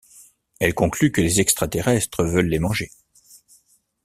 Elle conclut que les extraterrestres veulent les manger.